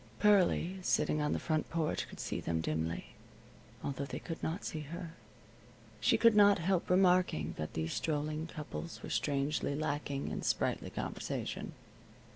Pearlie, sitting on the porch, could see them dimly, although they could not see her. She could not help remarking that these strolling couples were strangely lacking in sprightly conversation.